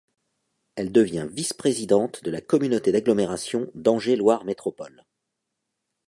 Elle devient vice-présidente de la Communauté d'agglomération d'Angers Loire Métropole.